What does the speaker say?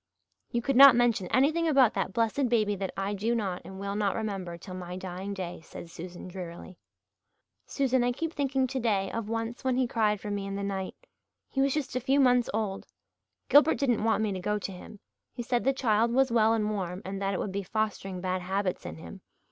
"You could not mention anything about that blessed baby that I do not and will not remember till my dying day," said Susan drearily. "Susan, I keep thinking today of once when he cried for me in the night. He was just a few months old. Gilbert didn't want me to go to him he said the child was well and warm and that it would be fostering bad habits in him.